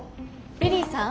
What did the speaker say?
ビリーさん